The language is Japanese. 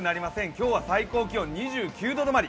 今日は最高気温２９度止まり。